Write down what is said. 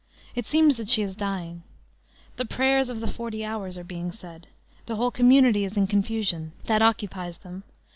It seems that she is dying. The prayers of the forty hours are being said. The whole community is in confusion. That occupies them.